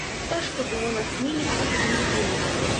Цяжка было насмеліцца, не кінуць?